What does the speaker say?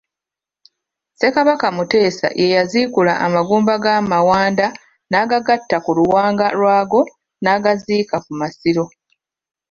Ssekabaka Mutesa ye yaziikula amagumba ga Mawanda n'agagatta ku luwanga lwago n'agaziika ku masiro.